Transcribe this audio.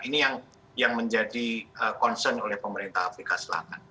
ini yang menjadi concern oleh pemerintah afrika selatan